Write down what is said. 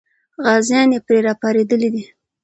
غازیان یې پرې راپارېدلي دي.